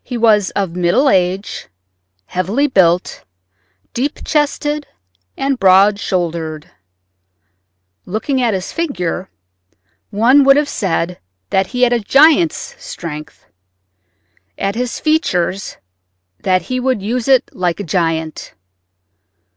He was of middle age, heavily built, deep chested, and broad shouldered. Looking at his figure, one would have said that he had a giant's strength; at his features, that he would use it like a giant.